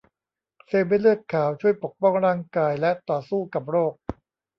เซลล์เม็ดเลือดขาวช่วยปกป้องร่างกายแและต่อสู้กับโรค